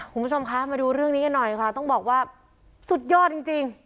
คุณผู้ชมคะมาดูเรื่องนี้กันหน่อยค่ะต้องบอกว่าสุดยอดจริง